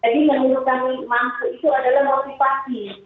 jadi menurut kami mangsa itu adalah motivasi